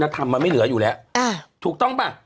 แต่ต่อบบ